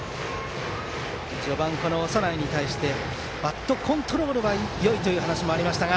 序盤、長内に対しバットコントロールはよいという話もありましたが。